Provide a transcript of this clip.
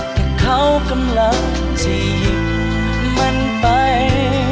แต่เขากำลังจีบมันไป